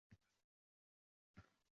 Suzib o’tsa va derazamning